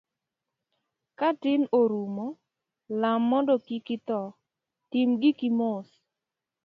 Ka tin orumo, lam mondo kiki itho, tim giki mos.